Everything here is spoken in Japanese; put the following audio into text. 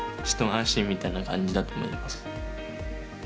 一安心みたいな感じだと思います。